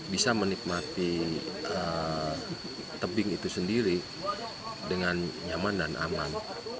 bisa menikmati tebing itu sendiri dengan nyaman dan aman